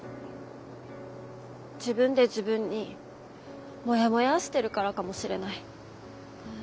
自分で自分にもやもやーしてるからかもしれない。